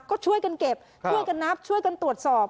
ก็ช่วยกันเก็บช่วยกันนับช่วยกันตรวจสอบ